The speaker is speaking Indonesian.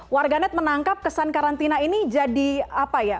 warganet menangkap kesan karantina ini jadi apa ya